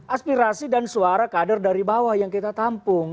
aspirasi dan suara kader dari bawah yang kita tampung